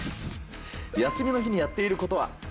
休みの日にやっていることは。